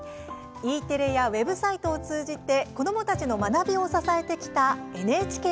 Ｅテレやウェブサイトを通じて子どもたちの学びを支えてきた「ＮＨＫｆｏｒＳｃｈｏｏｌ」。